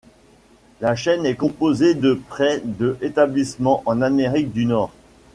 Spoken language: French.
La chaine est composée de près de établissements en Amérique du Nord.